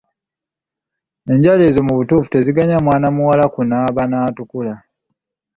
Enjala ezo mu butuufu teziganya mwana muwala kunaaba n'atukula.